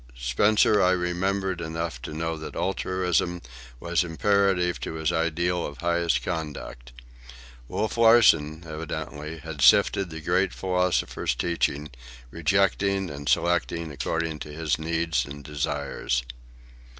Spencer I remembered enough to know that altruism was imperative to his ideal of highest conduct. Wolf Larsen, evidently, had sifted the great philosopher's teachings, rejecting and selecting according to his needs and desires.